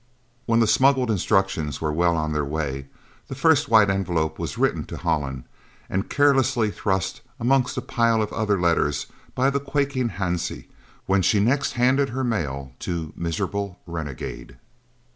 When the smuggled instructions were well on their way, the first White Envelope was written to Holland, and carelessly thrust amongst a pile of other letters by the quaking Hansie when next she handed her mail to "Miserable Renegade."